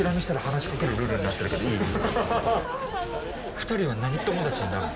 ２人は何友達なの？